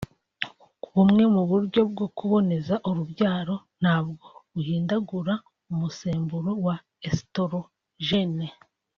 Bumwe mu buryo bwo kuboneza urubyaro nabwo buhindagura umusemburo wa esitorogene